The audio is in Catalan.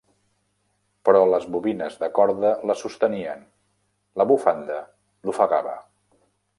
Però les bobines de corda la sostenien; la bufanda l'ofegava.